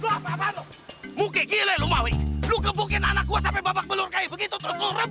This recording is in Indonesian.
lo apa apaan lo muka gila lo mawi lo gebukin anak gue sampai babak belur kaki begitu terus lo rebut surat tanah mbak be gue